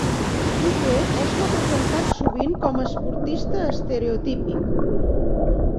Luke es representat sovint com esportista estereotípic.